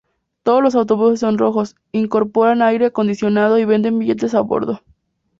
Todos los autobuses son rojos, incorporan aire acondicionado y venden billetes a bordo.